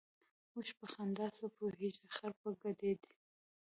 ـ اوښ په خندا څه پوهېږي ، خر په ګډېدا.